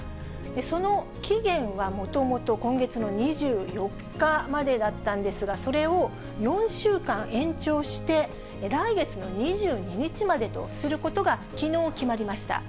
その期限はもともと今月の２４日までだったんですが、それを４週間延長して、来月の２２日までとすることがきのう決まりました。